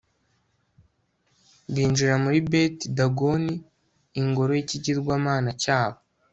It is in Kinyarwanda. binjira muri beti dagoni, ingoro y'ikigirwamana cyabo